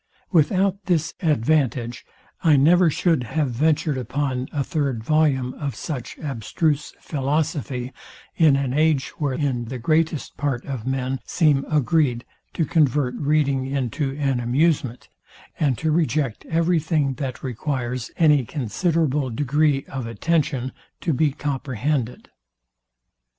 Without this advantage I never should have ventured upon a third volume of such abstruse philosophy, in an age, wherein the greatest part of men seem agreed to convert reading into an amusement, and to reject every thing that requires any considerable degree of attention to be comprehended.